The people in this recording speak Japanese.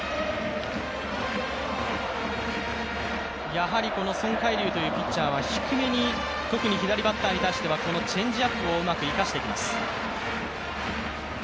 やはりソン・カイリュウというピッチャーは低めに特に左バッターに対してはこのチェンジアップをうまく生かしていきます。